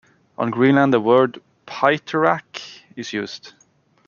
On Greenland the word "piteraq" is used.